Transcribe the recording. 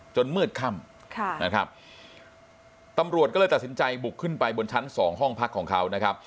จนมืดค่ำกลับตำรวจตัดสินใจบุบขึ้นไปบนชั้น๒ห้องพักของเขานะครับ